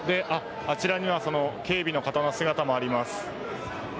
あちらには警備の方の姿もあります。